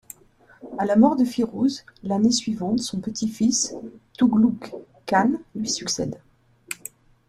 À la mort de Fîrûz l'année suivante, son petit-fils Tughluq Khan lui succède.